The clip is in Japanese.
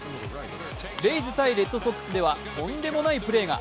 レイズ×レッドソックスではとんでもないプレーが。